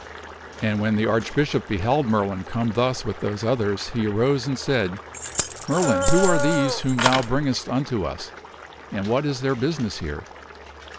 And when the Arch bishop beheld Merlin come thus with those others, he arose and said, " Merlin, who are these whom thou bringest unto us, and what is their business here?"